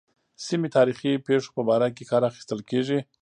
سیمې تاریخي پېښو په باره کې کار اخیستل کېږي.